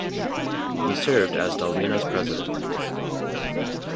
He served as Delrina's President.